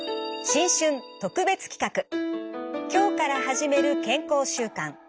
新春特別企画「きょうから始める健康習慣」。